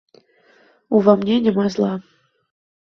Ува мне няма зла.